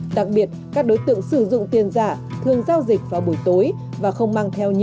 đặc biệt các đối tượng sử dụng tiền giả thường giao dịch vào buổi tối và không mang theo nhiều